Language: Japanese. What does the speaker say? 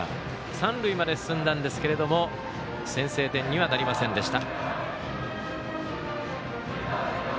三塁まで進んだんですが先制点にはなりませんでした。